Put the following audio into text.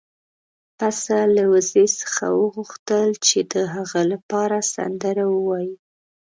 پسه له وزې څخه وغوښتل چې د هغه لپاره سندره ووايي.